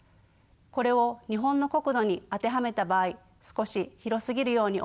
これを日本の国土に当てはめた場合少し広すぎるように思いませんか？